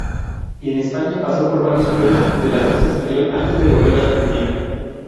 En España pasó por varios clubes del ascenso español antes de volver a Argentina.